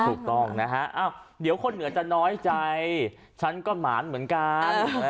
ถูกต้องนะฮะเดี๋ยวคนเหนือจะน้อยใจฉันก็หมานเหมือนกัน